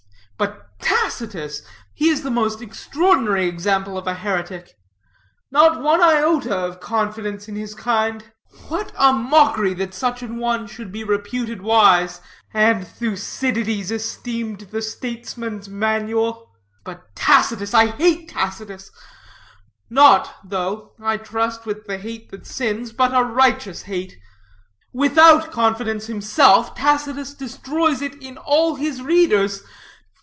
But Tacitus he is the most extraordinary example of a heretic; not one iota of confidence in his kind. What a mockery that such an one should be reputed wise, and Thucydides be esteemed the statesman's manual! But Tacitus I hate Tacitus; not, though, I trust, with the hate that sins, but a righteous hate. Without confidence himself, Tacitus destroys it in all his readers.